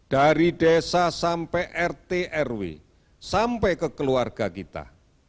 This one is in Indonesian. dari desa sampai rtrw sampai ke keluarga kita